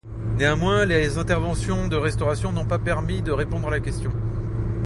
Néanmoins les interventions de restauration n'ont pas permis de répondre à la question.